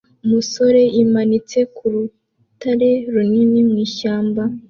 Umusore yimanitse ku rutare runini mu ishyamba